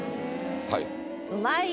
はい。